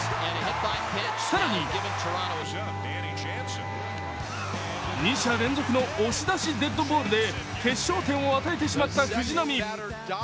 更に、２者連続の押し出しデッドボールで決勝点を与えてしまった藤浪。